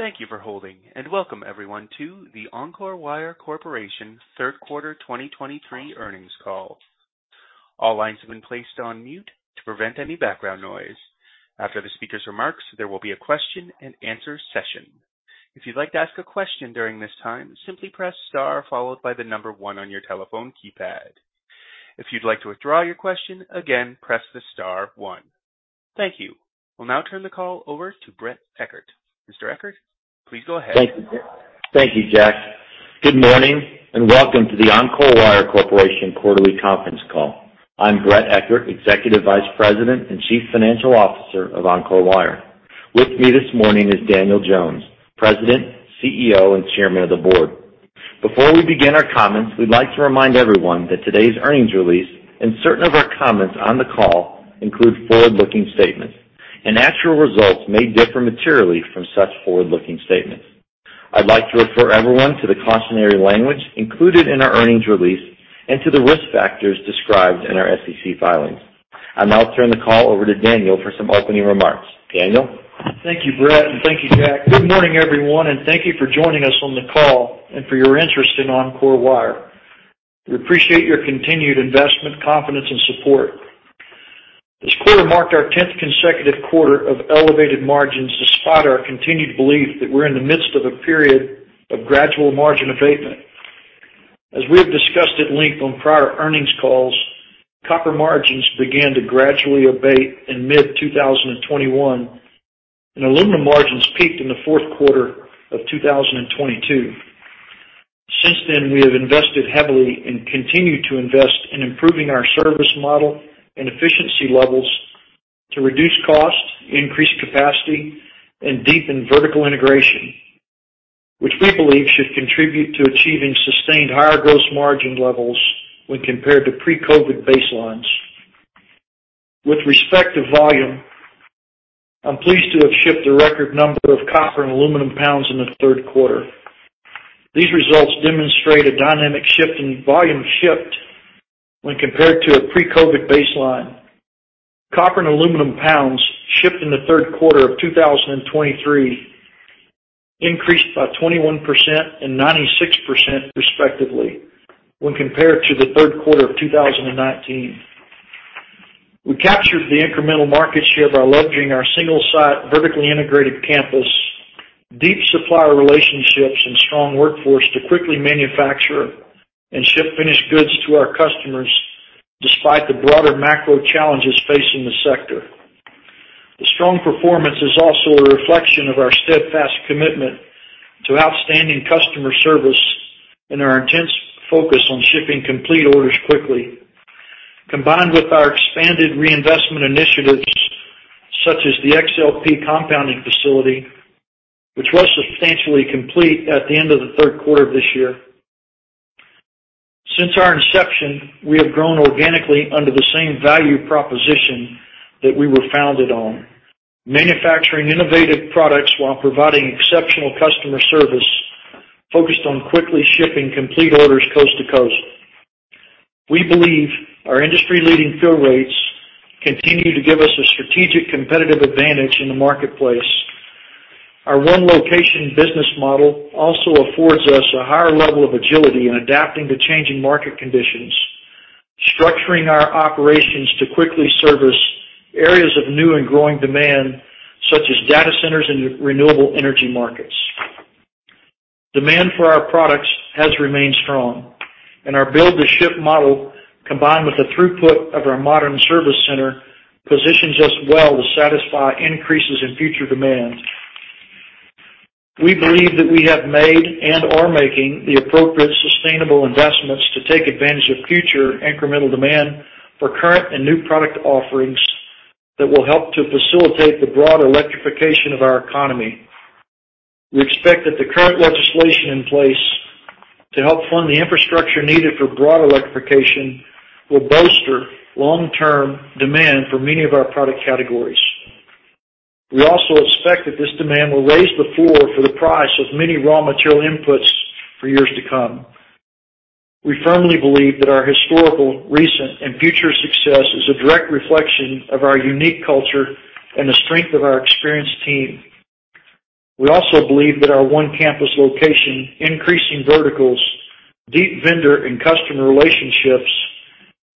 Thank you for holding, and welcome everyone to the Encore Wire Corporation Third Quarter 2023 Earnings Call. All lines have been placed on mute to prevent any background noise. After the speaker's remarks, there will be a question-and-answer session. If you'd like to ask a question during this time, simply press star followed by the number one on your telephone keypad. If you'd like to withdraw your question again, press the star one. Thank you. We'll now turn the call over to Bret Eckert. Mr. Eckert, please go ahead. Thank you. Thank you, Jack. Good morning, and welcome to the Encore Wire Corporation Quarterly Conference Call. I'm Bret Eckert, Executive Vice President and Chief Financial Officer of Encore Wire. With me this morning is Daniel Jones, President, CEO, and Chairman of the Board. Before we begin our comments, we'd like to remind everyone that today's earnings release and certain of our comments on the call include forward-looking statements, and actual results may differ materially from such forward-looking statements. I'd like to refer everyone to the cautionary language included in our earnings release and to the risk factors described in our SEC filings. I'll now turn the call over to Daniel for some opening remarks. Daniel? Thank you, Bret, and thank you, Jack. Good morning, everyone, and thank you for joining us on the call and for your interest in Encore Wire. We appreciate your continued investment, confidence, and support. This quarter marked our 10th consecutive quarter of elevated margins, despite our continued belief that we're in the midst of a period of gradual margin abatement. As we have discussed at length on prior earnings calls, copper margins began to gradually abate in mid-2021, and aluminum margins peaked in the fourth quarter of 2022. Since then, we have invested heavily and continued to invest in improving our service model and efficiency levels to reduce costs, increase capacity, and deepen vertical integration, which we believe should contribute to achieving sustained higher gross margin levels when compared to pre-COVID baselines. With respect to volume, I'm pleased to have shipped a record number of copper and aluminum pounds in the third quarter. These results demonstrate a dynamic shift in volume shipped when compared to a pre-COVID baseline. Copper and aluminum pounds shipped in the third quarter of 2023 increased by 21% and 96%, respectively, when compared to the third quarter of 2019. We captured the incremental market share by leveraging our single-site, vertically integrated campus, deep supplier relationships, and strong workforce to quickly manufacture and ship finished goods to our customers, despite the broader macro challenges facing the sector. The strong performance is also a reflection of our steadfast commitment to outstanding customer service and our intense focus on shipping complete orders quickly, combined with our expanded reinvestment initiatives, such as the XLPE compounding facility, which was substantially complete at the end of the third quarter of this year. Since our inception, we have grown organically under the same value proposition that we were founded on, manufacturing innovative products while providing exceptional customer service focused on quickly shipping complete orders coast to coast. We believe our industry-leading fill rates continue to give us a strategic competitive advantage in the marketplace. Our one location business model also affords us a higher level of agility in adapting to changing market conditions, structuring our operations to quickly service areas of new and growing demand, such as data centers and renewable energy markets. Demand for our products has remained strong, and our build-to-ship model, combined with the throughput of our modern service center, positions us well to satisfy increases in future demand. We believe that we have made and are making the appropriate, sustainable investments to take advantage of future incremental demand for current and new product offerings that will help to facilitate the broad electrification of our economy. We expect that the current legislation in place to help fund the infrastructure needed for broad electrification will bolster long-term demand for many of our product categories. We also expect that this demand will raise the floor for the price of many raw material inputs for years to come. We firmly believe that our historical, recent, and future success is a direct reflection of our unique culture and the strength of our experienced team. We also believe that our one-campus location, increasing verticals, deep vendor and customer relationships,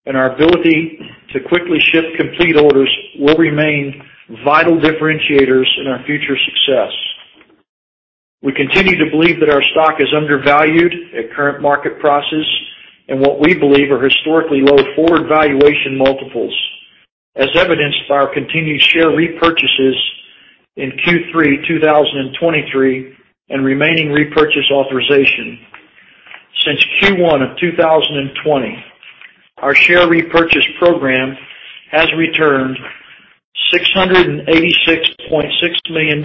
and our ability to quickly ship complete orders will remain vital differentiators in our future success. We continue to believe that our stock is undervalued at current market prices and what we believe are historically low forward valuation multiples, as evidenced by our continued share repurchases in Q3 2023 and remaining repurchase authorization. Since Q1 of 2020, our share repurchase program has returned $686.6 million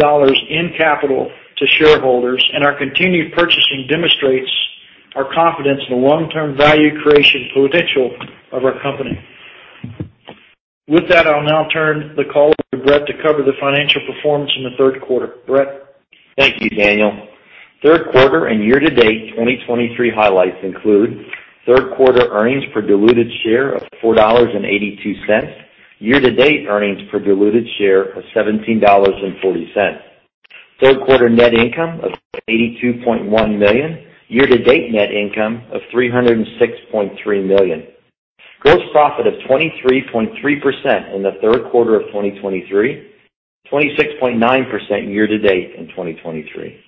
in capital to shareholders, and our continued purchasing demonstrates our confidence in the long-term value creation potential of our company. With that, I'll now turn the call to Bret to cover the financial performance in the third quarter. Bret? Thank you, Daniel. Third quarter and year-to-date 2023 highlights include third quarter earnings per diluted share of $4.82. Year-to-date earnings per diluted share of $17.40. Third quarter net income of $82.1 million, year-to-date net income of $306.3 million. Gross profit of 23.3% in the third quarter of 2023, 26.9% year-to-date in 2023.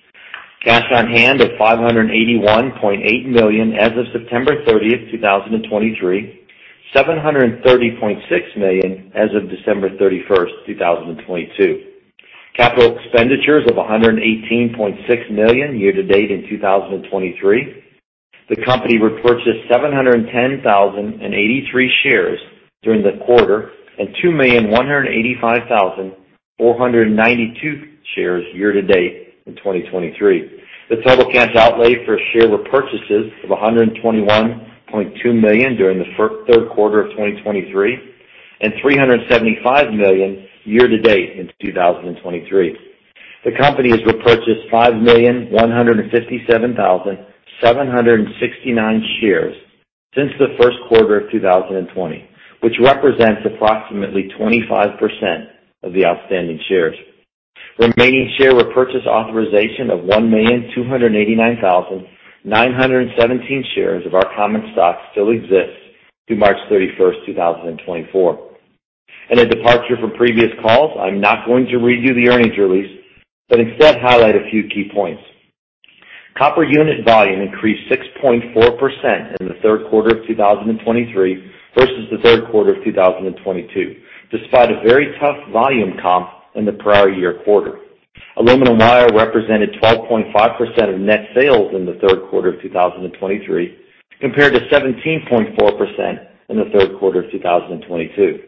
Cash on hand of $581.8 million as of September 30, 2023, $730.6 million as of December 31, 2022. Capital expenditures of $118.6 million year-to-date in 2023. The company repurchased 710,083 shares during the quarter, and 2,185,492 shares year-to-date in 2023. The total cash outlay for share repurchases of $121.2 million during the third quarter of 2023, and $375 million year to date in 2023. The company has repurchased 5,157,769 shares since the first quarter of 2020, which represents approximately 25% of the outstanding shares. Remaining share repurchase authorization of 1,289,917 shares of our common stock still exists through March 31st, 2024. In a departure from previous calls, I'm not going to read you the earnings release, but instead highlight a few key points. Copper unit volume increased 6.4% in the third quarter of 2023 versus the third quarter of 2022, despite a very tough volume comp in the prior year quarter. Aluminum wire represented 12.5% of net sales in the third quarter of 2023, compared to 17.4% in the third quarter of 2022.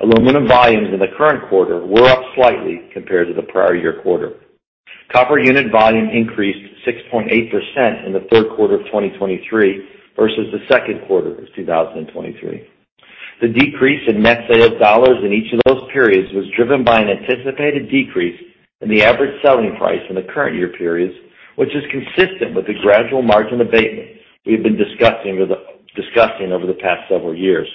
Aluminum volumes in the current quarter were up slightly compared to the prior year quarter. Copper unit volume increased 6.8% in the third quarter of 2023 versus the second quarter of 2023. The decrease in net sales dollars in each of those periods was driven by an anticipated decrease in the average selling price in the current year periods, which is consistent with the gradual margin abatement we've been discussing over the past several years.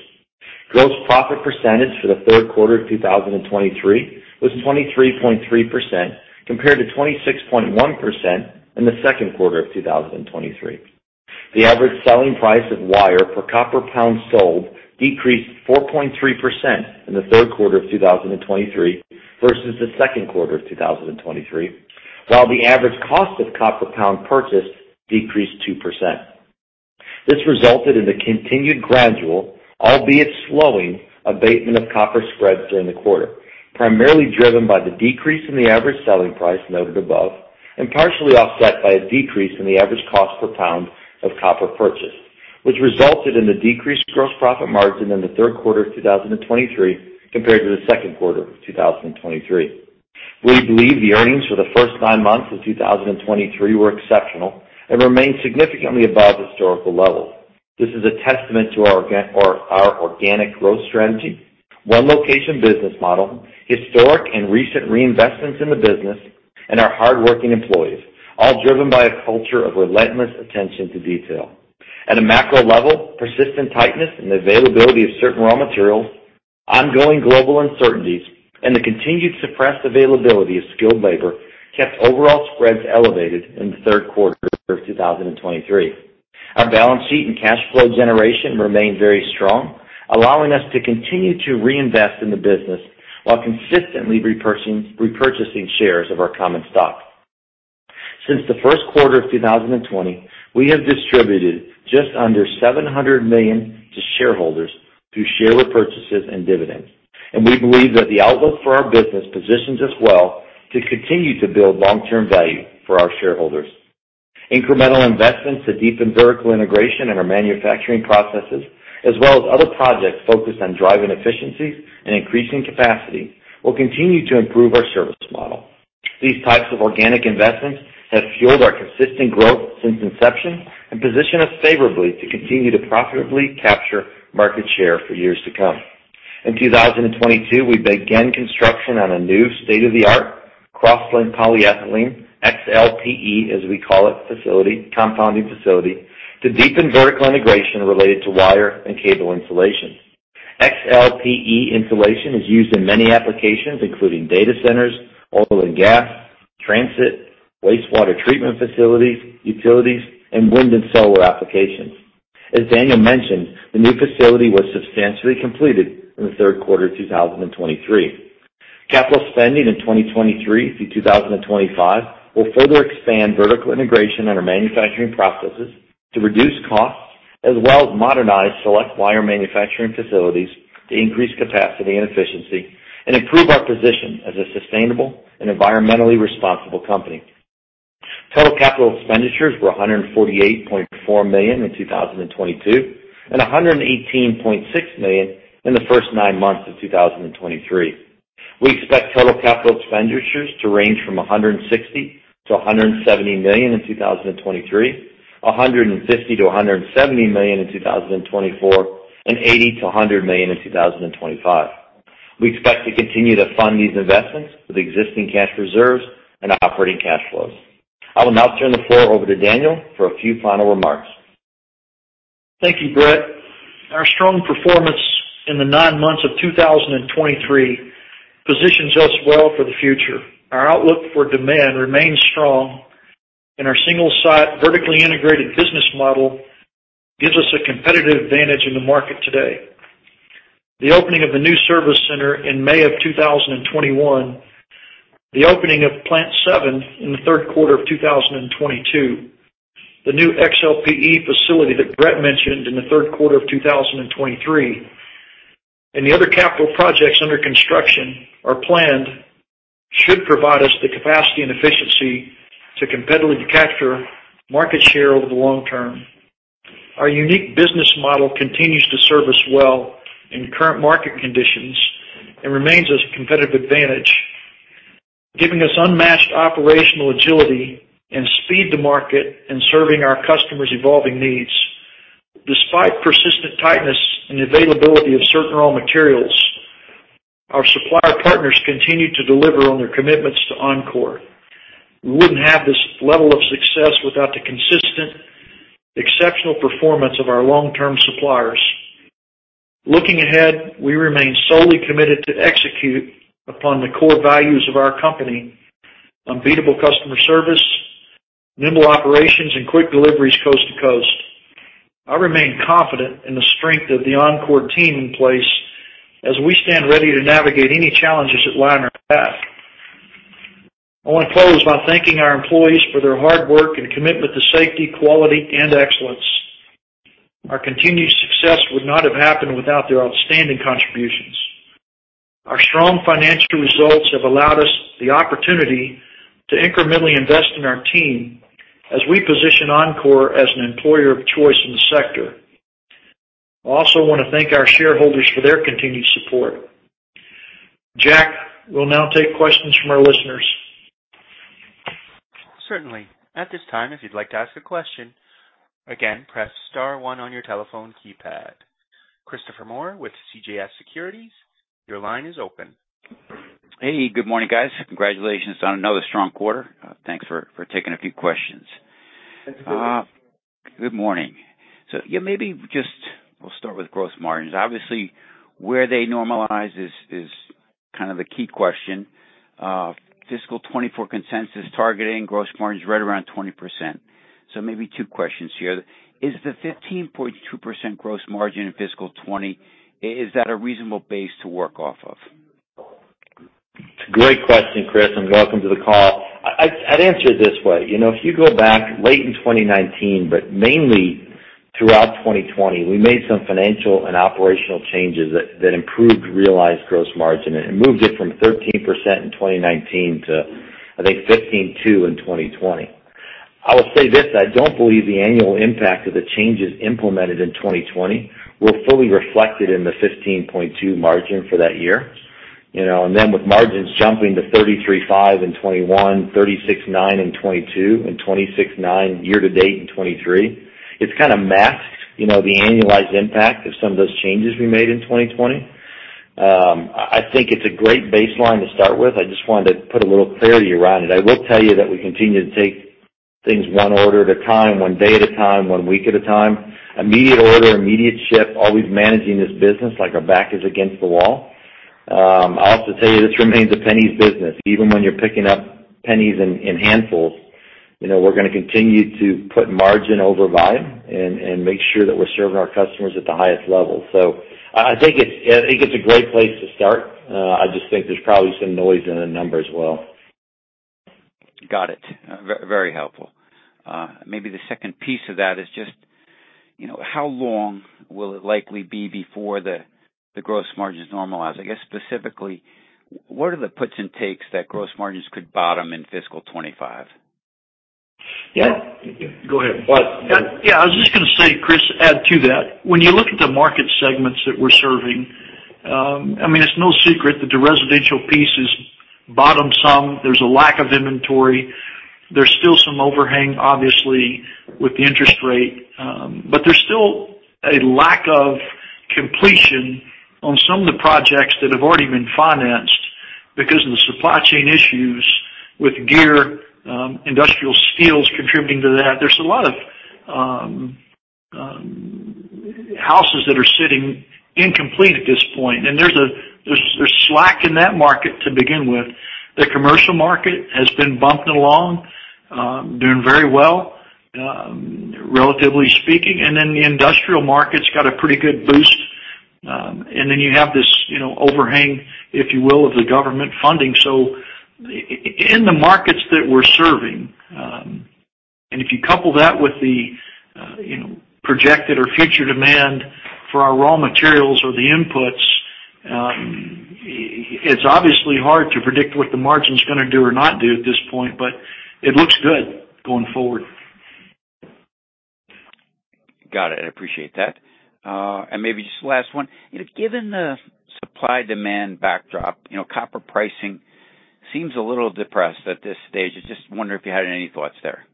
Gross profit percentage for the third quarter of 2023 was 23.3%, compared to 26.1% in the second quarter of 2023. The average selling price of wire per copper pound sold decreased 4.3% in the third quarter of 2023 versus the second quarter of 2023, while the average cost of copper pound purchased decreased 2%. This resulted in the continued gradual, albeit slowing, abatement of copper spreads during the quarter, primarily driven by the decrease in the average selling price noted above, and partially offset by a decrease in the average cost per pound of copper purchased, which resulted in the decreased gross profit margin in the third quarter of 2023 compared to the second quarter of 2023. We believe the earnings for the first nine months of 2023 were exceptional and remain significantly above historical levels. This is a testament to our organic growth strategy, one location business model, historic and recent reinvestments in the business, and our hardworking employees, all driven by a culture of relentless attention to detail. At a macro level, persistent tightness in the availability of certain raw materials, ongoing global uncertainties, and the continued suppressed availability of skilled labor kept overall spreads elevated in the third quarter of 2023. Our balance sheet and cash flow generation remain very strong, allowing us to continue to reinvest in the business while consistently repurchasing shares of our common stock. Since the first quarter of 2020, we have distributed just under $700 million to shareholders through share repurchases and dividends, and we believe that the outlook for our business positions us well to continue to build long-term value for our shareholders. Incremental investments to deepen vertical integration in our manufacturing processes, as well as other projects focused on driving efficiencies and increasing capacity, will continue to improve our service model. These types of organic investments have fueled our consistent growth since inception and position us favorably to continue to profitably capture market share for years to come. In 2022, we began construction on a new state-of-the-art cross-linked polyethylene, XLPE, as we call it, facility, compounding facility, to deepen vertical integration related to wire and cable insulation. XLPE insulation is used in many applications, including data centers, oil and gas, transit, wastewater treatment facilities, utilities, and wind and solar applications. As Daniel mentioned, the new facility was substantially completed in the third quarter of 2023. Capital spending in 2023 through 2025 will further expand vertical integration in our manufacturing processes to reduce costs, as well as modernize select wire manufacturing facilities to increase capacity and efficiency and improve our position as a sustainable and environmentally responsible company. Total capital expenditures were $148.4 million in 2022, and $118.6 million in the first nine months of 2023. We expect total capital expenditures to range from $160 million-$170 million in 2023, $150 million-$170 million in 2024, and $80 million-$100 million in 2025. We expect to continue to fund these investments with existing cash reserves and operating cash flows. I will now turn the floor over to Daniel for a few final remarks. Thank you, Bret. Our strong performance in the nine months of 2023 positions us well for the future. Our outlook for demand remains strong, and our single-site, vertically integrated business model gives us a competitive advantage in the market today. The opening of the new service center in May of 2021, the opening of Plant 7 in the third quarter of 2022, the new XLPE facility that Bret mentioned in the third quarter of 2023, and the other capital projects under construction are planned, should provide us the capacity and efficiency to competitively capture market share over the long term. Our unique business model continues to serve us well in current market conditions and remains as a competitive advantage, giving us unmatched operational agility and speed to market in serving our customers' evolving needs. Despite persistent tightness and availability of certain raw materials, our supplier partners continue to deliver on their commitments to Encore. We wouldn't have this level of success without the consistent, exceptional performance of our long-term suppliers. Looking ahead, we remain solely committed to execute upon the core values of our company: unbeatable customer service, nimble operations, and quick deliveries coast to coast. I remain confident in the strength of the Encore team in place as we stand ready to navigate any challenges that lie in our path. I want to close by thanking our employees for their hard work and commitment to safety, quality, and excellence. Our continued success would not have happened without their outstanding contributions. Our strong financial results have allowed us the opportunity to incrementally invest in our team as we position Encore as an employer of choice in the sector.I also want to thank our shareholders for their continued support. Jack, we'll now take questions from our listeners. Certainly. At this time, if you'd like to ask a question, again, press star one on your telephone keypad. Christopher Moore with CJS Securities, your line is open. Hey, good morning, guys. Congratulations on another strong quarter. Thanks for taking a few questions. Good morning. Good morning. So yeah, maybe just we'll start with gross margins. Obviously, where they normalize is kind of the key question. Fiscal 2024 consensus targeting gross margins right around 20%. So maybe two questions here: Is the 15.2% gross margin in fiscal 2020 a reasonable base to work off of? It's a great question, Chris, and welcome to the call. I'd answer it this way: You know, if you go back late in 2019, but mainly throughout 2020, we made some financial and operational changes that improved realized gross margin and moved it from 13% in 2019 to, I think, 15.2% in 2020. I will say this: I don't believe the annual impact of the changes implemented in 2020 were fully reflected in the 15.2% margin for that year. You know, and then with margins jumping to 33.5% in 2021, 36.9% in 2022, and 26.9% year-to-date in 2023, it's kind of masked, you know, the annualized impact of some of those changes we made in 2020. I think it's a great baseline to start with. I just wanted to put a little clarity around it. I will tell you that we continue to take things one order at a time, one day at a time, one week at a time. Immediate order, immediate ship, always managing this business like our back is against the wall. I'll also tell you, this remains a pennies business. Even when you're picking up pennies in handfuls, you know, we're gonna continue to put margin over volume and make sure that we're serving our customers at the highest level. So I think it's a great place to start. I just think there's probably some noise in the numbers as well. Got it. Very helpful. Maybe the second piece of that is just, you know, how long will it likely be before the gross margins normalize? I guess, specifically, what are the puts and takes that gross margins could bottom in fiscal 2025? Yeah. Go ahead. Well- Yeah, I was just gonna say, Chris, add to that. When you look at the market segments that we're serving, I mean, it's no secret that the residential piece is bottoming. There's a lack of inventory. There's still some overhang, obviously, with the interest rate, but there's still a lack of completion on some of the projects that have already been financed because of the supply chain issues with gear, industrial steels contributing to that. There's a lot of houses that are sitting incomplete at this point, and there's slack in that market to begin with. The commercial market has been bumping along, doing very well, relatively speaking. And then the industrial market's got a pretty good boost. And then you have this, you know, overhang, if you will, of the government funding. So in the markets that we're serving, and if you couple that with the, you know, projected or future demand for our raw materials or the inputs, it's obviously hard to predict what the margin's gonna do or not do at this point, but it looks good going forward. Got it. I appreciate that. Maybe just the last one. Given the supply-demand backdrop, you know, copper pricing seems a little depressed at this stage. I just wonder if you had any thoughts there?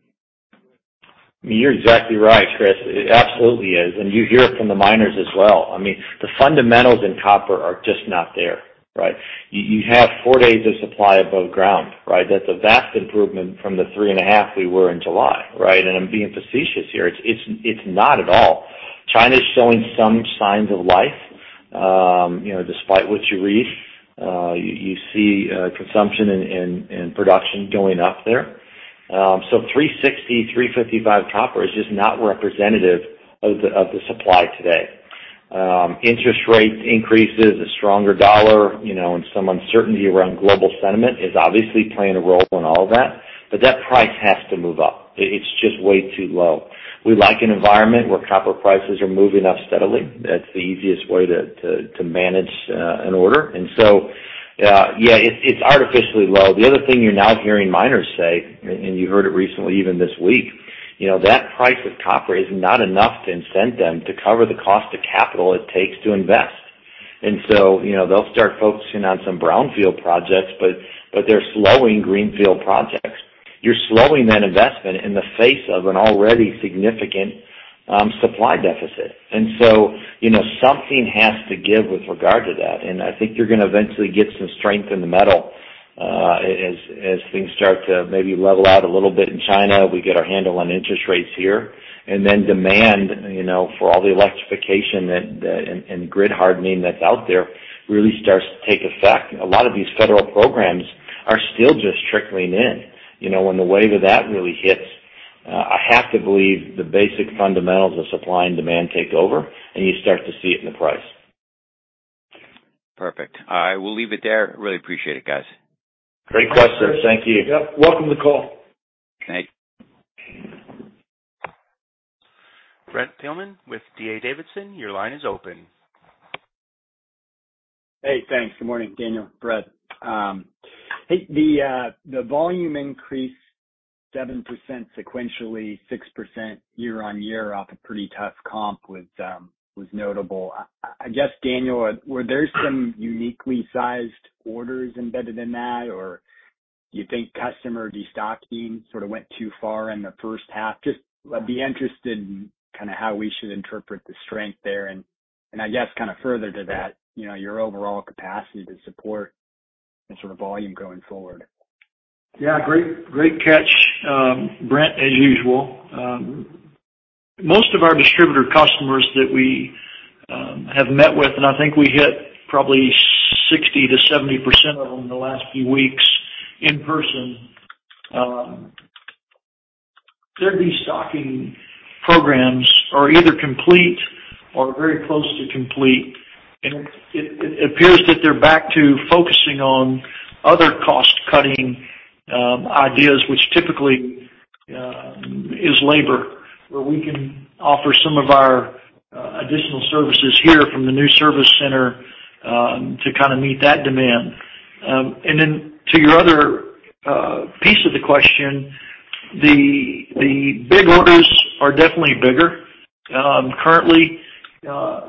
You're exactly right, Chris. It absolutely is, and you hear it from the miners as well. I mean, the fundamentals in copper are just not there, right? You have four days of supply above ground, right? That's a vast improvement from the 3.5 we were in July, right? And I'm being facetious here. It's not at all. China's showing some signs of life. You know, despite what you read, you see consumption and production going up there. So $3.60, $3.55 copper is just not representative of the supply today. Interest rate increases, a stronger dollar, you know, and some uncertainty around global sentiment is obviously playing a role in all of that, but that price has to move up. It's just way too low. We like an environment where copper prices are moving up steadily. That's the easiest way to manage an order. And so, yeah, it's artificially low. The other thing you're now hearing miners say, and you heard it recently, even this week, you know, that price of copper is not enough to incent them to cover the cost of capital it takes to invest. And so, you know, they'll start focusing on some brownfield projects, but they're slowing greenfield projects. You're slowing that investment in the face of an already significant supply deficit. And so, you know, something has to give with regard to that, and I think you're gonna eventually get some strength in the metal, as things start to maybe level out a little bit in China, we get our handle on interest rates here. And then demand, you know, for all the electrification and grid hardening that's out there, really starts to take effect. A lot of these federal programs are still just trickling in. You know, when the wave of that really hits, I have to believe the basic fundamentals of supply and demand take over, and you start to see it in the price. Perfect. I will leave it there. Really appreciate it, guys. Great question. Thank you. Yep, welcome the call. Okay. Brent Thielman with D.A. Davidson. Your line is open. Hey, thanks. Good morning, Daniel. Bret. Hey, the volume increased 7% sequentially, 6% year-on-year, off a pretty tough comp was notable. I guess, Daniel, were there some uniquely sized orders embedded in that? Or do you think customer destocking sort of went too far in the first half? Just I'd be interested in kind of how we should interpret the strength there, and I guess kind of further to that, you know, your overall capacity to support the sort of volume going forward. Yeah, great, great catch, Brent, as usual. Most of our distributor customers that we have met with, and I think we hit probably 60%-70% of them in the last few weeks in person. Their destocking programs are either complete or very close to complete, and it appears that they're back to focusing on other cost-cutting ideas, which typically is labor, where we can offer some of our additional services here from the new service center to kind of meet that demand. And then to your other piece of the question, the big orders are definitely bigger. Currently,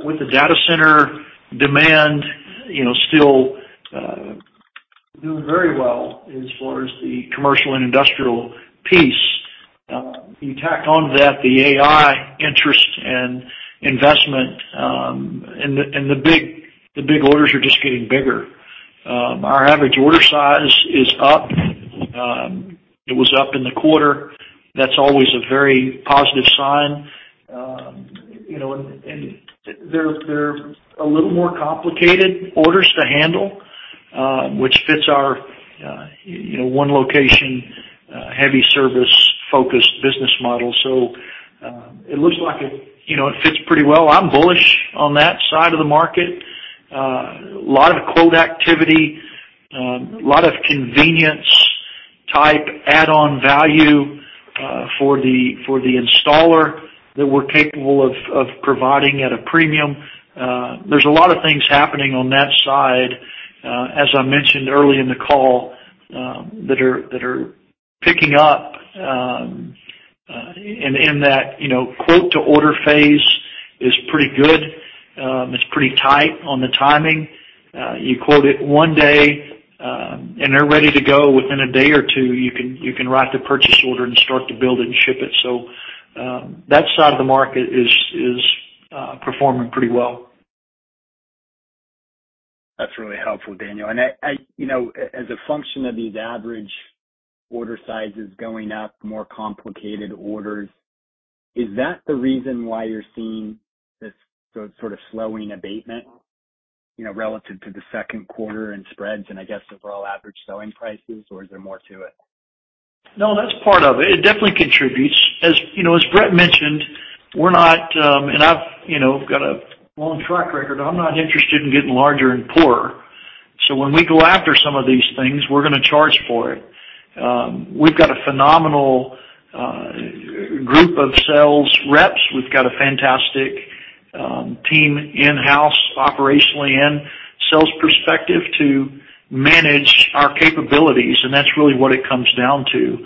with the data center demand, you know, still doing very well as far as the commercial and industrial piece. You tack on to that the AI interest and investment, and the big orders are just getting bigger. Our average order size is up. It was up in the quarter. That's always a very positive sign. You know, and they're a little more complicated orders to handle, which fits our, you know, one location, heavy service-focused business model. So, it looks like it, you know, it fits pretty well. I'm bullish on that side of the market. A lot of quote activity, a lot of convenience type add-on value, for the installer that we're capable of providing at a premium. There's a lot of things happening on that side, as I mentioned early in the call, that are picking up, and that, you know, quote to order phase is pretty good. It's pretty tight on the timing. You quote it one day, and they're ready to go within a day or two, you can write the purchase order and start to build it and ship it. So, that side of the market is performing pretty well. That's really helpful, Daniel. I, you know, as a function of these average order sizes going up, more complicated orders, is that the reason why you're seeing this sort of slowing abatement, you know, relative to the second quarter and spreads and I guess, overall average selling prices, or is there more to it? No, that's part of it. It definitely contributes. As you know, as Bret mentioned, we're not, and I've you know got a long track record. I'm not interested in getting larger and poorer. So when we go after some of these things, we're gonna charge for it. We've got a phenomenal group of sales reps. We've got a fantastic team in-house, operationally, and sales perspective to manage our capabilities, and that's really what it comes down to.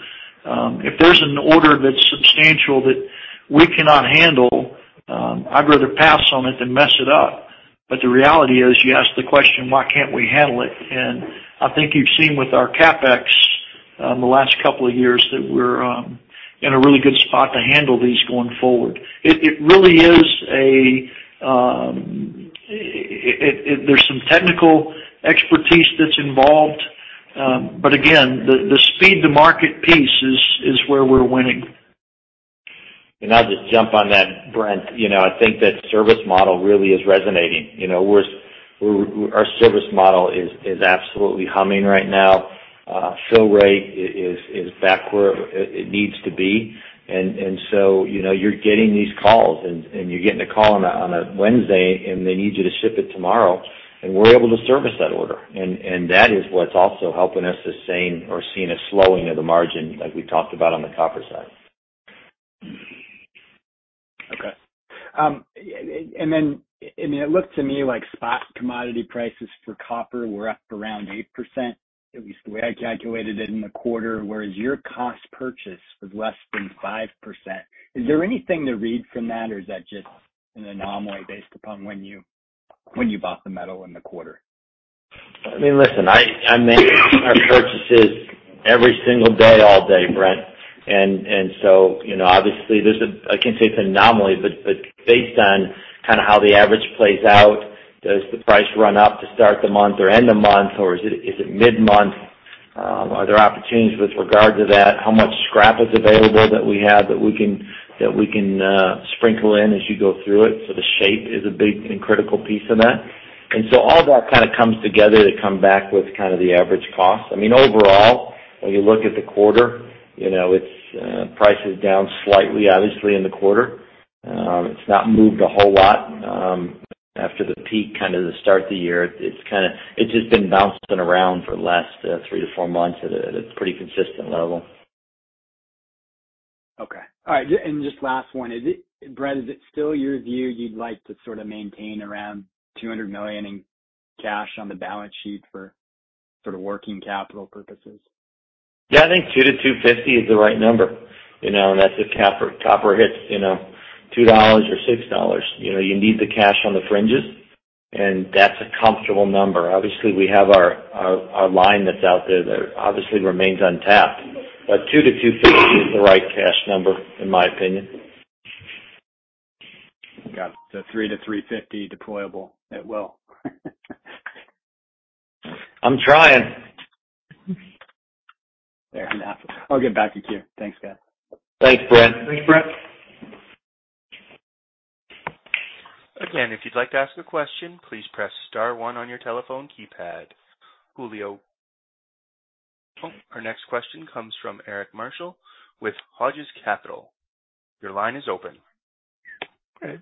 If there's an order that's substantial that we cannot handle, I'd rather pass on it than mess it up. But the reality is, you asked the question, why can't we handle it? And I think you've seen with our CapEx, the last couple of years, that we're in a really good spot to handle these going forward. It really is—there’s some technical expertise that's involved, but again, the speed-to-market piece is where we're winning. And I'll just jump on that, Brent. You know, I think that service model really is resonating. You know, our service model is absolutely humming right now. Fill rate is back where it needs to be. And so, you know, you're getting these calls, and you're getting a call on a Wednesday, and they need you to ship it tomorrow, and we're able to service that order. And that is what's also helping us to sustain or seeing a slowing of the margin, like we talked about on the copper side. Okay. And then it looked to me like spot commodity prices for copper were up around 8%, at least the way I calculated it in the quarter, whereas your cost purchase was less than 5%. Is there anything to read from that, or is that just an anomaly based upon when you bought the metal in the quarter? I mean, listen, I make our purchases every single day, all day, Brent. And so, you know, obviously, there's a—I can't say it's an anomaly, but based on kinda how the average plays out, does the price run up to start the month or end the month, or is it mid-month? Are there opportunities with regard to that? How much scrap is available that we can sprinkle in as you go through it? So the shape is a big and critical piece of that. And so all that kinda comes together to come back with kind of the average cost. I mean, overall, when you look at the quarter, you know, it's price is down slightly, obviously, in the quarter. It's not moved a whole lot after the peak, kind of the start of the year. It's kinda, it's just been bouncing around for the last three to four months at a pretty consistent level. Okay. All right, and just last one: Is it, Bret, is it still your view you'd like to sort of maintain around $200 million in cash on the balance sheet for sort of working capital purposes? Yeah, I think $200 million-$250 million is the right number. You know, and that's if copper hits, you know, $2 or $6. You know, you need the cash on the fringes, and that's a comfortable number. Obviously, we have our line that's out there that obviously remains untapped, but $200 million-$250 million is the right cash number, in my opinion. Got it. So $300 million-$350 million deployable at will. I'm trying. Fair enough. I'll get back to you. Thanks, guys. Thanks, Brent. Thanks, Brent. Again, if you'd like to ask a question, please press star one on your telephone keypad. Julio. Our next question comes from Eric Marshall with Hodges Capital. Your line is open. Great.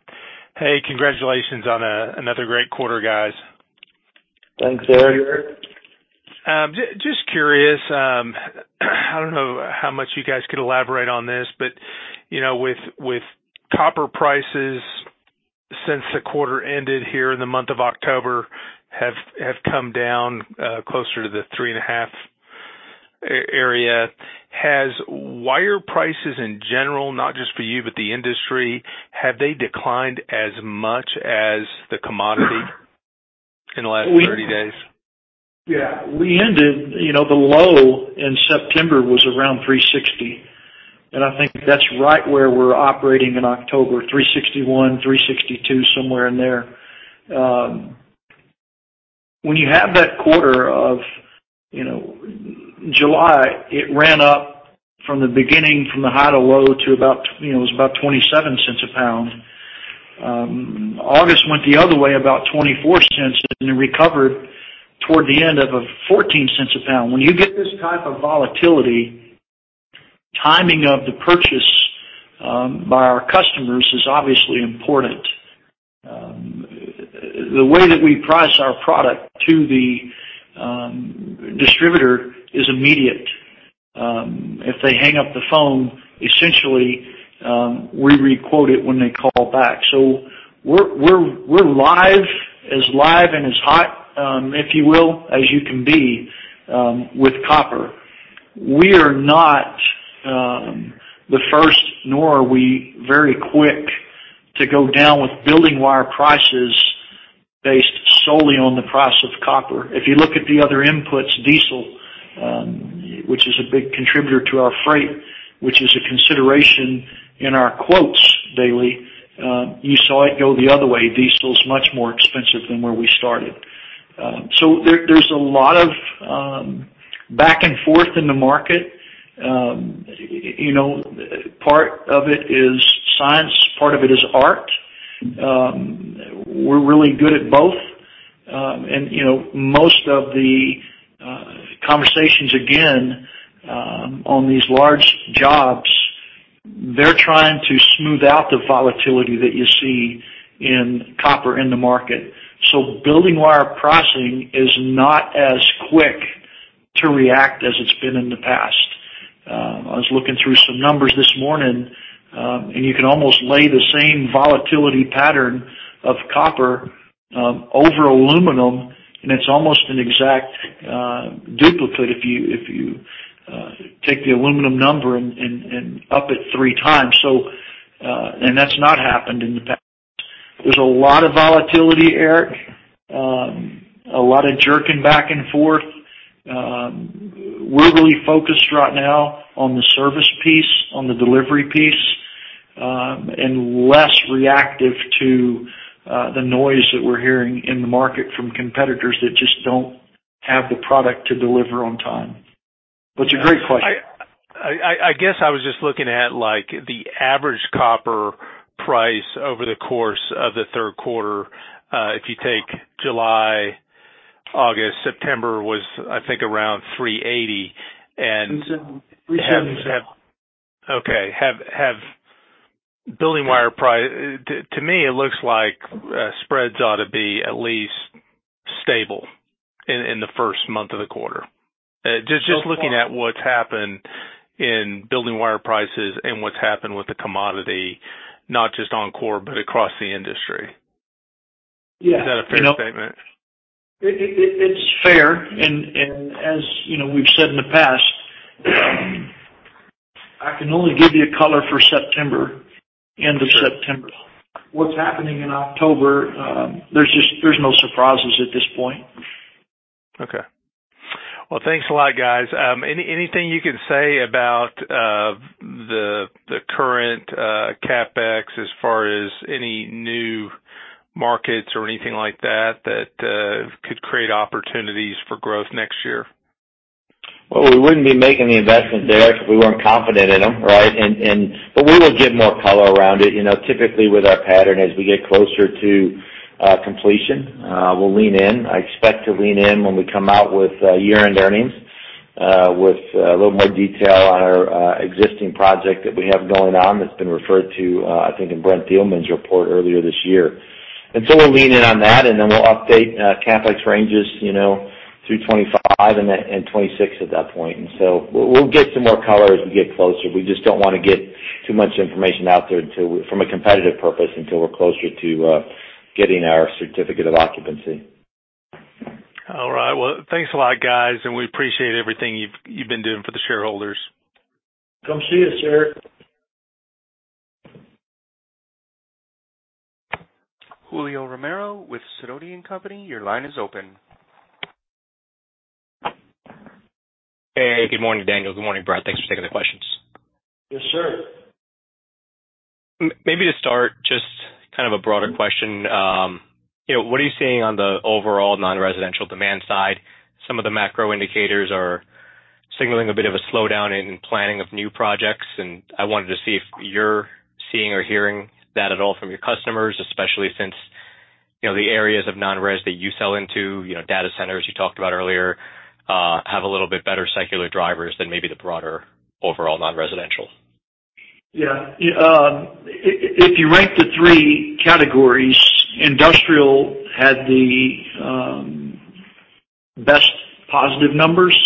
Hey, congratulations on another great quarter, guys. Thanks, Eric. Just curious, I don't know how much you guys could elaborate on this, but, you know, with copper prices since the quarter ended here in the month of October, have come down closer to the $3.5 area. Has wire prices in general, not just for you, but the industry, have they declined as much as the commodity in the last 30 days? Yeah. We ended. You know, the low in September was around $3.60, and I think that's right where we're operating in October, $3.61, $3.62, somewhere in there. When you have that quarter of, you know, July, it ran up from the beginning, from the high to low, to about, you know, it was about $0.27 a pound. August went the other way, about $0.24, and it recovered toward the end of a $0.14 a pound. When you get this type of volatility, timing of the purchase by our customers is obviously important. The way that we price our product to the distributor is immediate. If they hang up the phone, essentially, we re-quote it when they call back. So we're live, as live and as hot, if you will, as you can be, with copper. We are not the first, nor are we very quick to go down with building wire prices based solely on the price of copper. If you look at the other inputs, diesel, which is a big contributor to our freight, which is a consideration in our quotes daily, you saw it go the other way. Diesel is much more expensive than where we started. So there's a lot of back and forth in the market. You know, part of it is science, part of it is art. We're really good at both. You know, most of the conversations again on these large jobs, they're trying to smooth out the volatility that you see in copper in the market. So building wire pricing is not as quick to react as it's been in the past. I was looking through some numbers this morning, and you can almost lay the same volatility pattern of copper over aluminum, and it's almost an exact duplicate if you take the aluminum number and up it three times. So, and that's not happened in the past. There's a lot of volatility, Eric, a lot of jerking back and forth. We're really focused right now on the service piece, on the delivery piece, and less reactive to the noise that we're hearing in the market from competitors that just don't have the product to deliver on time. But it's a great question. I guess I was just looking at, like, the average copper price over the course of the third quarter. If you take July, August, September was, I think, around $3.80, and. Recently. Okay, have building wire price—to me, it looks like spreads ought to be at least stable in the first month of the quarter. Just looking at what's happened in building wire prices and what's happened with the commodity, not just on core, but across the industry. Yeah. Is that a fair statement? It's fair, and as you know, we've said in the past, I can only give you a color for September, end of September. What's happening in October, there's just no surprises at this point. Okay. Well, thanks a lot, guys. Anything you can say about the current CapEx, as far as any new markets or anything like that, that could create opportunities for growth next year? Well, we wouldn't be making the investment, Eric, if we weren't confident in them, right? And but we will give more color around it. You know, typically, with our pattern, as we get closer to completion, we'll lean in. I expect to lean in when we come out with year-end earnings, with a little more detail on our existing project that we have going on, that's been referred to, I think, in Brent Thielman's report earlier this year. And so we'll lean in on that, and then we'll update CapEx ranges, you know, through 2025 and 2026 at that point. And so we'll get some more color as we get closer. We just don't want to get too much information out there until, from a competitive purpose, until we're closer to getting our certificate of occupancy. All right. Well, thanks a lot, guys, and we appreciate everything you've been doing for the shareholders. Come see us, Eric. Julio Romero with Sidoti & Company. Your line is open. Hey, good morning, Daniel. Good morning, Bret. Thanks for taking the questions. Yes, sir. Maybe to start, just kind of a broader question. You know, what are you seeing on the overall non-residential demand side? Some of the macro indicators are signaling a bit of a slowdown in planning of new projects, and I wanted to see if you're seeing or hearing that at all from your customers, especially since, you know, the areas of non-res that you sell into, you know, data centers you talked about earlier, have a little bit better secular drivers than maybe the broader overall non-residential. Yeah. If you rank the three categories, industrial had the best positive numbers.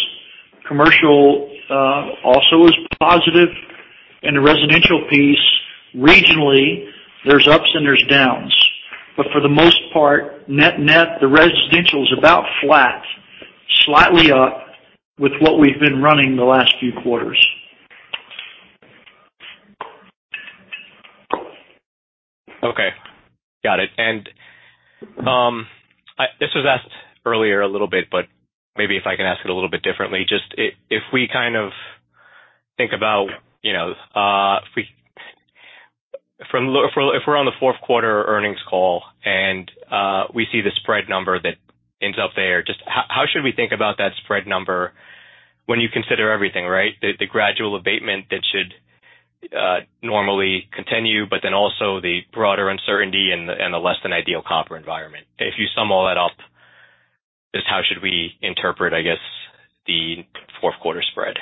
Commercial also is positive, and the residential piece, regionally, there's ups and there's downs, but for the most part, net-net, the residential is about flat, slightly up with what we've been running the last few quarters. Okay, got it. And, I—This was asked earlier a little bit, but maybe if I can ask it a little bit differently. Just if we kind of think about, you know, if we're on the fourth quarter earnings call and, we see the spread number that ends up there, just how should we think about that spread number when you consider everything, right? The gradual abatement that should normally continue, but then also the broader uncertainty and the less than ideal copper environment. If you sum all that up, just how should we interpret, I guess, the fourth quarter spread?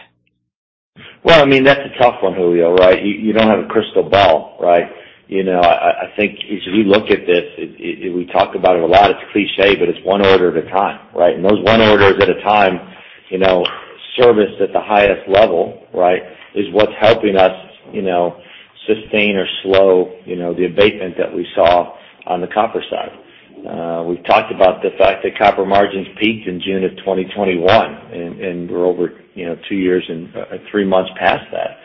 Well, I mean, that's a tough one, Julio, right? You don't have a crystal ball, right? You know, I think as we look at this, we talk about it a lot, it's cliché, but it's one order at a time, right? And those one orders at a time, you know, serviced at the highest level, right, is what's helping us, you know, sustain or slow, you know, the abatement that we saw on the copper side. We've talked about the fact that copper margins peaked in June of 2021, and we're over, you know, two years and three months past that.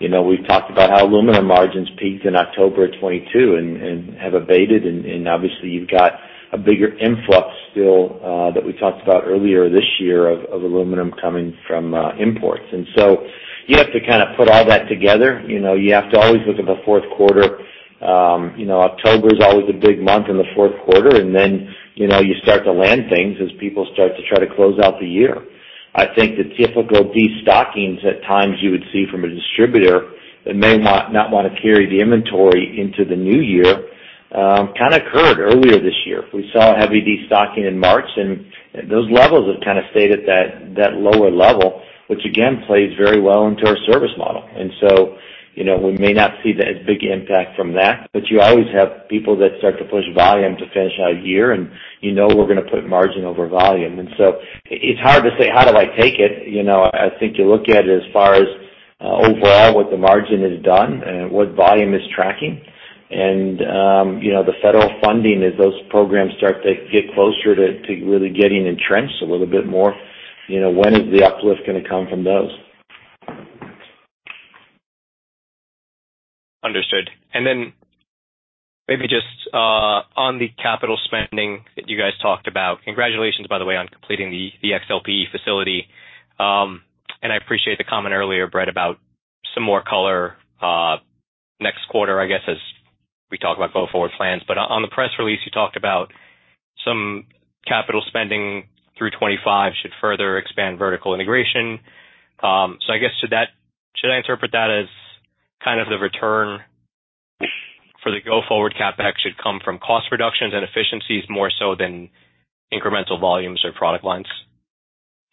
You know, we've talked about how aluminum margins peaked in October of 2022 and have abated, and obviously, you've got a bigger influx still that we talked about earlier this year of aluminum coming from imports. And so you have to kind of put all that together. You know, you have to always look at the fourth quarter. You know, October is always a big month in the fourth quarter, and then, you know, you start to land things as people start to try to close out the year. I think the typical destockings at times you would see from a distributor that may not want to carry the inventory into the new year, kind of occurred earlier this year. We saw heavy destocking in March, and those levels have kind of stayed at that lower level, which again, plays very well into our service model. You know, we may not see the big impact from that, but you always have people that start to push volume to finish out a year, and you know we're going to put margin over volume. So it's hard to say, how do I take it? You know, I think you look at it as far as overall, what the margin has done and what volume is tracking. You know, the federal funding, as those programs start to get closer to really getting entrenched a little bit more, you know, when is the uplift going to come from those? Understood. And then maybe just on the capital spending that you guys talked about. Congratulations, by the way, on completing the XLPE facility. And I appreciate the comment earlier, Bret, about some more color next quarter, I guess, as we talk about go-forward plans. But on the press release, you talked about some capital spending through 2025 should further expand vertical integration. So I guess should I interpret that as kind of the return for the go-forward CapEx should come from cost reductions and efficiencies more so than incremental volumes or product lines?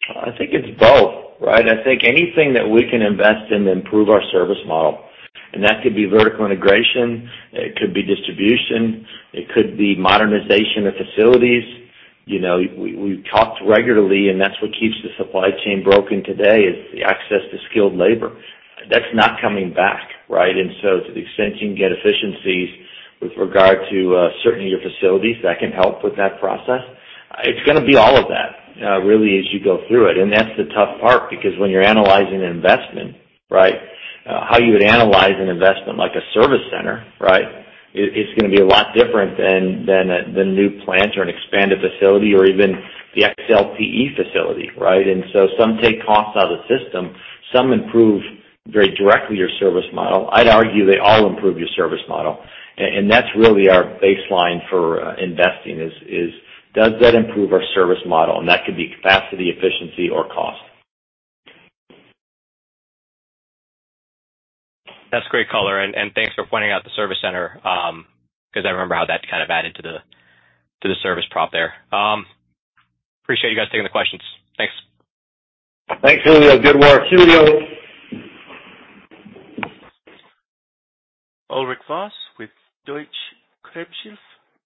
I think it's both, right? I think anything that we can invest in to improve our service model, and that could be vertical integration, it could be distribution, it could be modernization of facilities. You know, we, we've talked regularly, and that's what keeps the supply chain broken today, is the access to skilled labor. That's not coming back, right? And so to the extent you can get efficiencies with regard to, certainly your facilities, that can help with that process, it's going to be all of that, really, as you go through it. And that's the tough part, because when you're analyzing an investment, right, how you would analyze an investment like a service center, right, it, it's going to be a lot different than, than a, than new plants or an expanded facility or even the XLPE facility, right? Some take costs out of the system. Some improve very directly your service model. I'd argue they all improve your service model. That's really our baseline for investing: does that improve our service model? That could be capacity, efficiency, or cost. That's great color, and thanks for pointing out the service center, because I remember how that's kind of added to the service prop there. Appreciate you guys taking the questions. Thanks. Thanks, Julio. Good work. Julio? Ulrich Faess with Deutsche Kreditschef,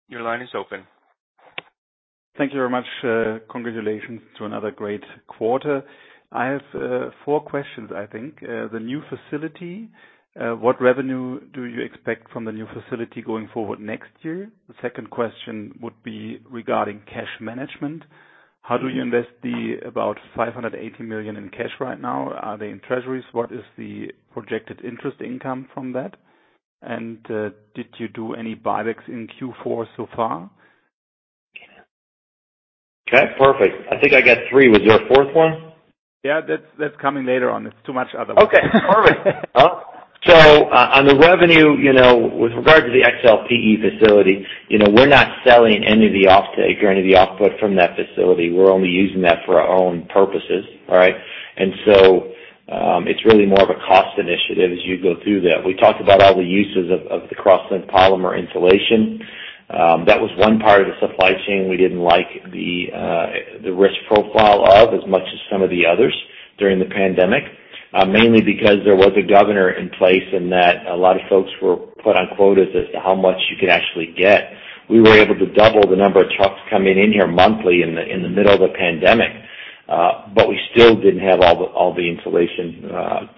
your line is open. Thank you very much. Congratulations to another great quarter. I have four questions, I think. The new facility, what revenue do you expect from the new facility going forward next year? The second question would be regarding cash management. How do you invest the about $580 million in cash right now? Are they in treasuries? What is the projected interest income from that? And, did you do any buybacks in Q4 so far? Okay, perfect. I think I got three. Was there a fourth one? Yeah, that's, that's coming later on. It's too much otherwise. Okay, perfect. So, on the revenue, you know, with regard to the XLPE facility, you know, we're not selling any of the offtake or any of the output from that facility. We're only using that for our own purposes, all right? So, it's really more of a cost initiative as you go through that. We talked about all the uses of the cross-linked polymer insulation. That was one part of the supply chain we didn't like the risk profile of as much as some of the others during the pandemic. Mainly because there was a governor in place, and that a lot of folks were put on quotas as to how much you could actually get. We were able to double the number of trucks coming in here monthly in the middle of a pandemic, but we still didn't have all the insulation,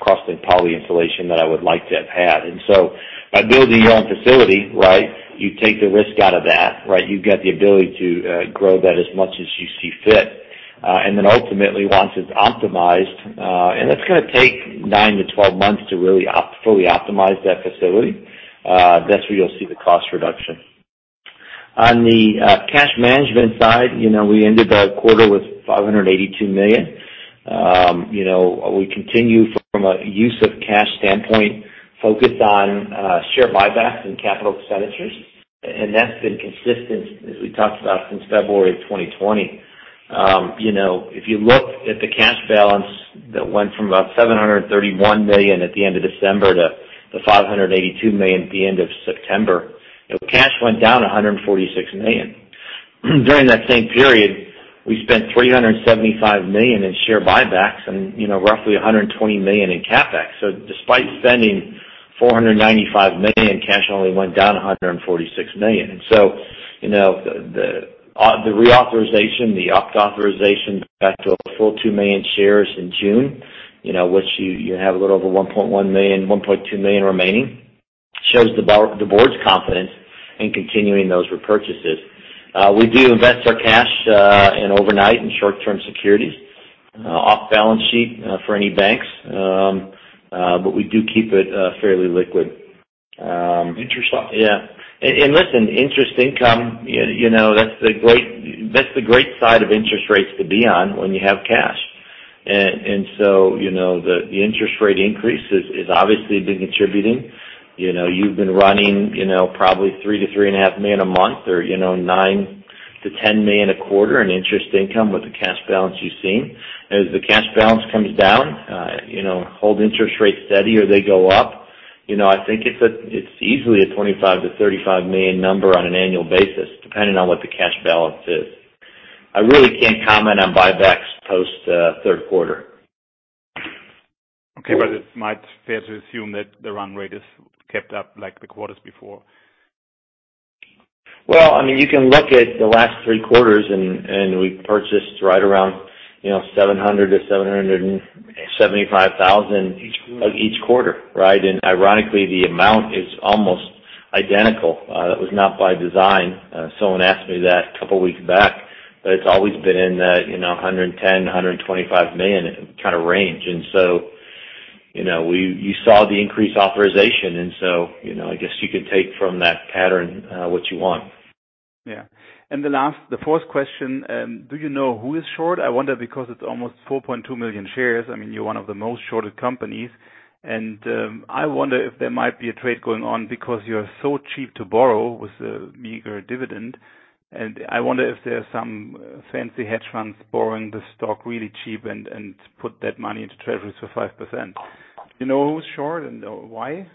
cross-linked poly insulation that I would like to have had. And so by building your own facility, right, you take the risk out of that, right? You've got the ability to grow that as much as you see fit. And then ultimately, once it's optimized, and that's going to take nine to 12 months to really fully optimize that facility, that's where you'll see the cost reduction. On the cash management side, you know, we ended the quarter with $582 million. You know, we continue from a use of cash standpoint, focused on share buybacks and capital expenditures, and that's been consistent, as we talked about, since February of 2020. You know, if you look at the cash balance, that went from about $731 million at the end of December to $582 million at the end of September. You know, cash went down $146 million. During that same period, we spent $375 million in share buybacks and, you know, roughly $120 million in CapEx. So despite spending $495 million, cash only went down $146 million. So, you know, the reauthorization, the opt authorization, back to a full two million shares in June, you know, which you have a little over 1.1 million, 1.2 million remaining, shows the board's confidence in continuing those repurchases. We do invest our cash in overnight and short-term securities, off balance sheet, for any banks. But we do keep it fairly liquid. Interest loss. Yeah. And listen, interest income, you know, that's the great side of interest rates to be on when you have cash. And so, you know, the interest rate increase is obviously been contributing. You know, you've been running, you know, probably $3-$3.5 million a month or, you know, $9-$10 million a quarter in interest income with the cash balance you've seen. As the cash balance comes down, you know, hold interest rates steady or they go up, you know, I think it's easily a $25-$35 million number on an annual basis, depending on what the cash balance is. I really can't comment on buybacks post third quarter. Okay, but it might be fair to assume that the run rate is kept up like the quarters before? Well, I mean, you can look at the last three quarters, and we purchased right around, you know, 700,000–775,000 each quarter, right? And ironically, the amount is almost identical. That was not by design. Someone asked me that a couple of weeks back, but it's always been in the, you know, $110 million-$125 million kind of range. And so, you know, you saw the increased authorization, and so, you know, I guess you can take from that pattern, what you want. Yeah. And the last, the fourth question, do you know who is short? I wonder because it's almost 4.2 million shares. I mean, you're one of the most shorted companies, and I wonder if there might be a trade going on because you're so cheap to borrow with a meager dividend. And I wonder if there are some fancy hedge funds borrowing the stock really cheap and put that money into treasuries for 5%. Do you know who's short and why?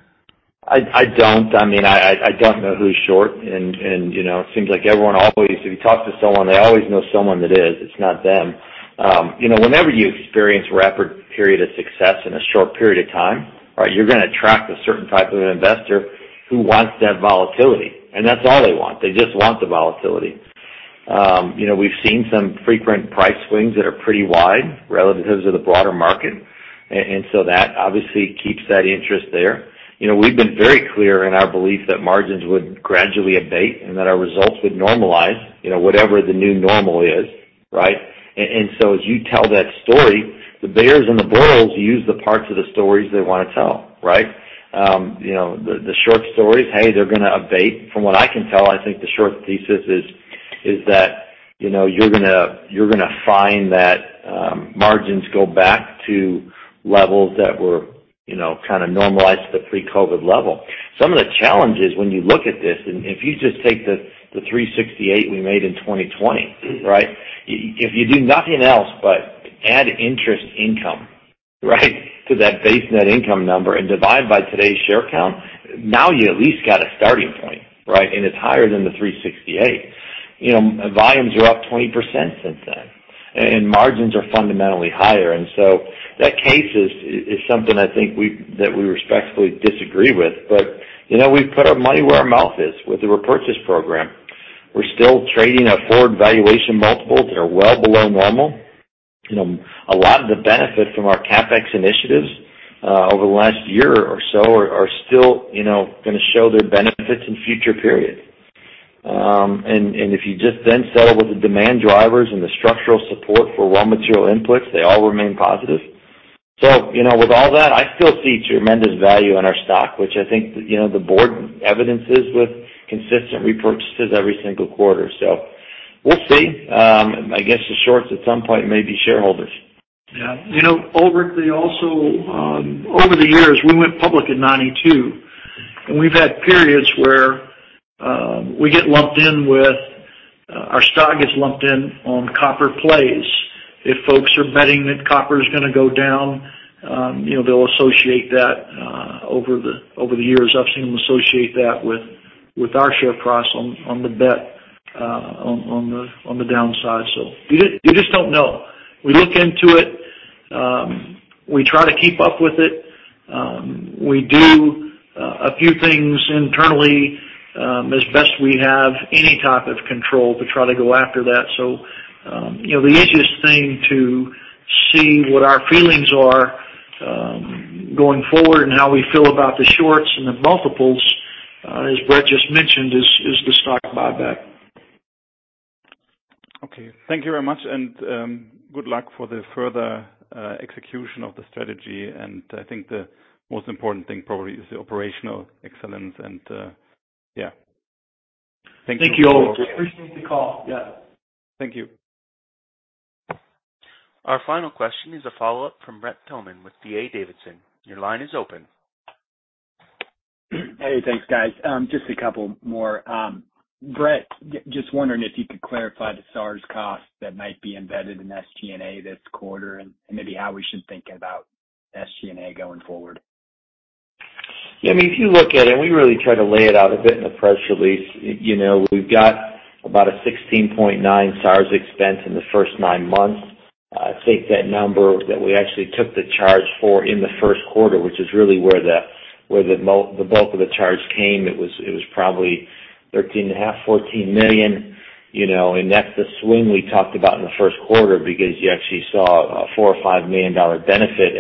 I don't. I mean, I don't know who's short and, you know, it seems like everyone always—If you talk to someone, they always know someone that is, it's not them. You know, whenever you experience rapid period of success in a short period of time, right? You're gonna attract a certain type of investor who wants that volatility, and that's all they want. They just want the volatility. You know, we've seen some frequent price swings that are pretty wide relative to the broader market, and so that obviously keeps that interest there. You know, we've been very clear in our belief that margins would gradually abate and that our results would normalize, you know, whatever the new normal is, right? And so as you tell that story, the bears and the bulls use the parts of the stories they wanna tell, right? You know, the short stories, hey, they're gonna abate. From what I can tell, I think the short thesis is that, you know, you're gonna find that margins go back to levels that were, you know, kind of normalized to the pre-COVID level. Some of the challenges when you look at this, and if you just take the $368 we made in 2020, right? If you do nothing else but add interest income, right, to that base net income number and divide by today's share count, now you at least got a starting point, right? And it's higher than the $368. You know, volumes are up 20% since then, and margins are fundamentally higher, and so that case is something I think we—that we respectfully disagree with. But, you know, we've put our money where our mouth is with the repurchase program. We're still trading at forward valuation multiples that are well below normal. You know, a lot of the benefit from our CapEx initiatives over the last year or so are still, you know, gonna show their benefits in future periods. And if you just then sell with the demand drivers and the structural support for raw material inputs, they all remain positive. So, you know, with all that, I still see tremendous value in our stock, which I think, you know, the board evidences with consistent repurchases every single quarter. So we'll see. I guess the shorts at some point may be shareholders. Yeah. You know, Ulrich, we also, over the years, we went public in 1992, and we've had periods where we get lumped in with, our stock gets lumped in on copper plays. If folks are betting that copper is gonna go down, you know, they'll associate that, over the years, I've seen them associate that with our share price on the bet on the downside. So you just don't know. We look into it. We try to keep up with it. We do a few things internally, as best we have any type of control to try to go after that. So, you know, the easiest thing to see what our feelings are, going forward and how we feel about the shorts and the multiples, as Bret just mentioned, is the stock buyback. Okay. Thank you very much, and good luck for the further execution of the strategy. I think the most important thing probably is the operational excellence and yeah. Thank you, Ulrich. Appreciate the call. Yeah. Thank you. Our final question is a follow-up from Brent Thielman with D.A. Davidson. Your line is open. Hey, thanks, guys. Just a couple more. Bret, just wondering if you could clarify the SARs costs that might be embedded in SG&A this quarter and maybe how we should think about SG&A going forward. Yeah, I mean, if you look at it, and we really try to lay it out a bit in the press release. You know, we've got about a $16.9 million SARS expense in the first nine months. Take that number that we actually took the charge for in the first quarter, which is really where the bulk of the charge came. It was probably $13.5million-$14 million, you know, and that's the swing we talked about in the first quarter because you actually saw a $4million-$5 million benefit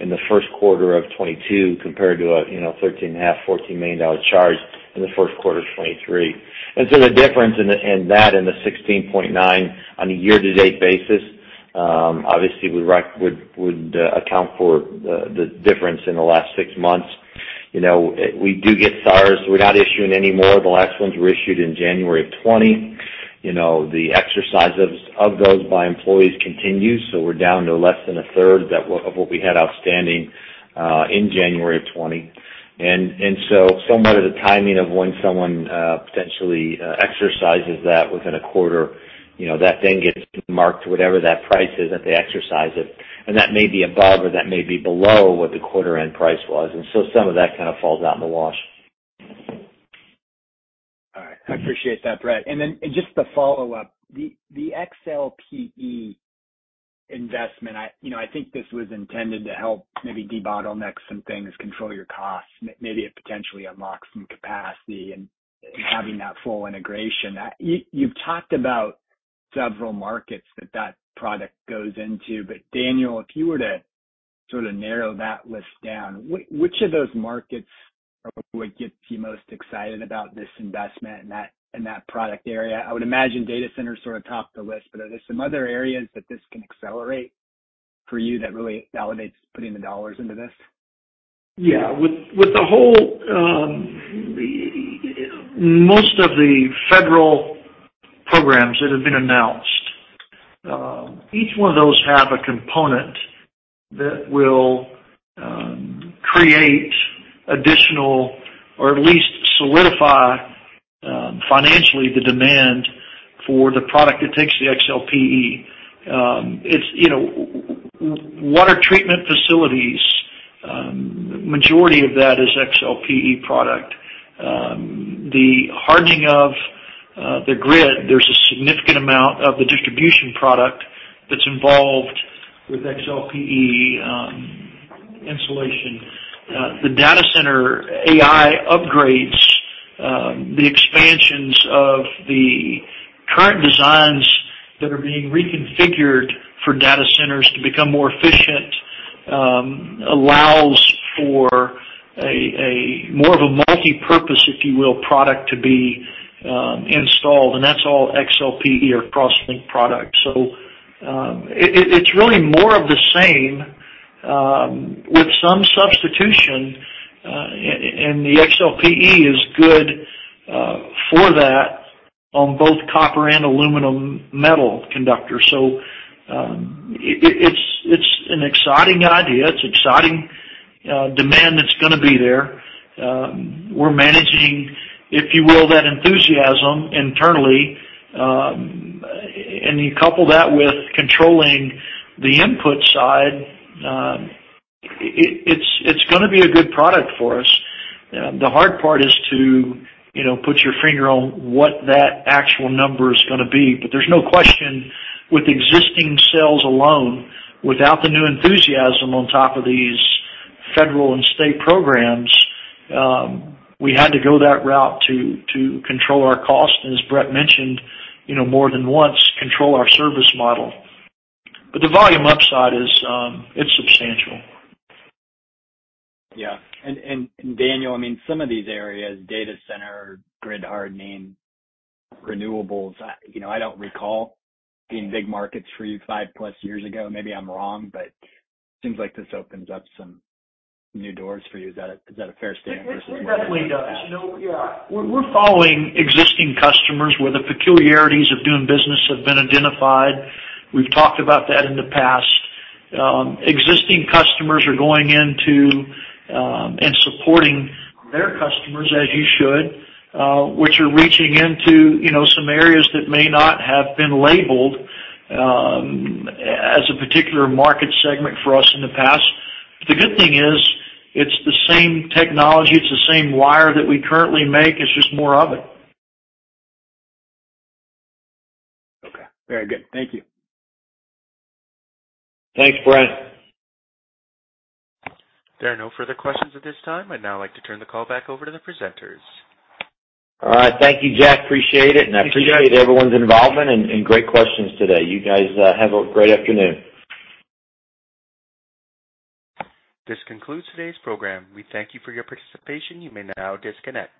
in the first quarter of 2022 compared to a $13.5 million-$14 million charge in the first quarter of 2023. And so the difference in that in the $16.9 million on a year-to-date basis, obviously, we would account for the difference in the last six months. You know, we do get SARS. We're not issuing any more. The last ones were issued in January of 2020. You know, the exercise of those by employees continues, so we're down to less than a third of what we had outstanding in January of 2020. And so somewhat of the timing of when someone potentially exercises that within a quarter, you know, that then gets marked, whatever that price is, that they exercise it. And that may be above or that may be below what the quarter-end price was, and so some of that kind of falls out in the wash. All right. I appreciate that, Bret. Then just to follow up, the XLPE investment, you know, I think this was intended to help maybe debottleneck some things, control your costs. Maybe it potentially unlocks some capacity and having that full integration. You've talked about several markets that that product goes into. But Daniel, if you were to sort of narrow that list down, which of those markets would get you most excited about this investment in that product area? I would imagine data centers sort of top the list, but are there some other areas that this can accelerate for you that really validates putting the dollars into this? Yeah. With the whole most of the federal programs that have been announced, each one of those have a component that will create additional or at least solidify financially the demand for the product that takes the XLPE. It's, you know, water treatment facilities. Majority of that is XLPE product. The hardening of the grid, there's a significant amount of the distribution product that's involved with XLPE insulation. The data center AI upgrades, the expansions of the current designs that are being reconfigured for data centers to become more efficient, allows for a more of a multipurpose, if you will, product to be installed, and that's all XLPE or cross-linked product. So, it's really more of the same, with some substitution, and the XLPE is good for that on both copper and aluminum metal conductors. So, it's an exciting idea. It's exciting demand that's gonna be there. We're managing, if you will, that enthusiasm internally. And you couple that with controlling the input side, it's gonna be a good product for us. The hard part is to, you know, put your finger on what that actual number is gonna be. But there's no question with existing sales alone, without the new enthusiasm on top of these federal and state programs, we had to go that route to control our cost, and as Bret mentioned, you know, more than once, control our service model. But the volume upside is, it's substantial. Yeah. And Daniel, I mean, some of these areas, data center, grid hardening, renewables, you know, I don't recall being big markets for you five-plus years ago. Maybe I'm wrong, but it seems like this opens up some new doors for you. Is that a fair statement? It, it definitely does. You know, yeah, we're, we're following existing customers where the peculiarities of doing business have been identified. We've talked about that in the past. Existing customers are going into and supporting their customers as you should, which are reaching into, you know, some areas that may not have been labeled as a particular market segment for us in the past. The good thing is, it's the same technology, it's the same wire that we currently make. It's just more of it. Okay, very good. Thank you. Thanks, Brent. There are no further questions at this time. I'd now like to turn the call back over to the presenters. All right. Thank you, Jack. Appreciate it, and I appreciate everyone's involvement and great questions today. You guys have a great afternoon. This concludes today's program. We thank you for your participation. You may now disconnect.